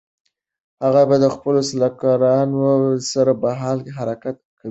هغه د خپلو سلاکارانو سره په حال حرکت خبرې کوي.